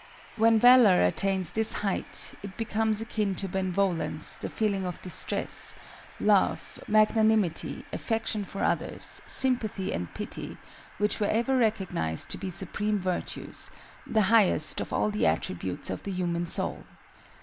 When valor attains this height, it becomes akin to BENEVOLENCE, THE FEELING OF DISTRESS, love, magnanimity, affection for others, sympathy and pity, which were ever recognized to be supreme virtues, the highest of all the attributes of the human soul.